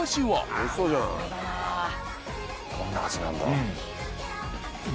どんな味なんだろう。